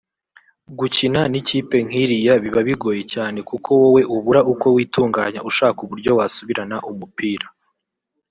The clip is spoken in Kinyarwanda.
Gukina n’ikipe nk’iriya biba bigoye cyane kuko wowe ubura uko witunganya ushaka uburyo wasubirana umupira